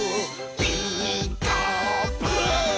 「ピーカーブ！」